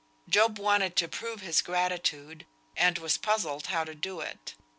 Job wanted to prove his gratitude, and was puzzled how to do it.